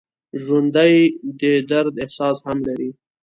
ژوندي د درد احساس هم لري